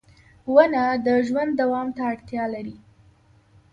• ونه د ژوند دوام ته اړتیا لري.